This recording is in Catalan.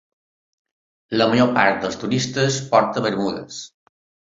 La major part dels turistes porta bermudes.